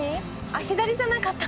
あっ左じゃなかった。